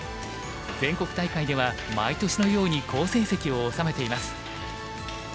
全国大会では毎年のように好成績を収めています。